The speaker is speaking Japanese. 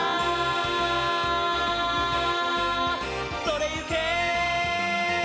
「それゆけ！」